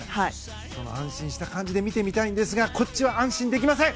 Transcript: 安心した感じで見てみたいんですがこっちは安心できません。